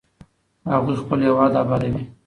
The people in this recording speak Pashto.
هغوی خپل هېواد ابادوي.